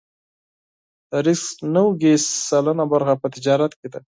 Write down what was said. د رزق نوې سلنه برخه په تجارت کې ده.